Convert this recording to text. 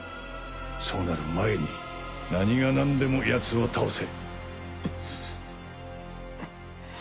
そうなる前に何が何でもヤツを倒せ。